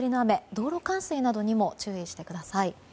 道路の冠水などにも注意してください。